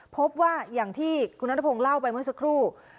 พบว่าอย่างที่คุณนัทพงศ์เล่าไปเมื่อสักครู่